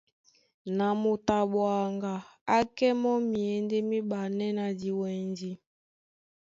Na moto a ɓwaŋga á kɛ́ mɔ́ myěndé míɓanɛ́ na diwɛndi.